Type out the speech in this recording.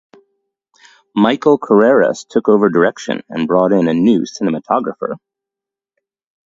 Michael Carreras took over direction and brought in a new cinematographer.